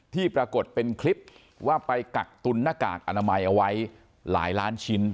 ที่ปรากฏเป็นคลิปว่าไปกักตุนหน้ากากอนามัยเอาไว้หลายล้านชิ้น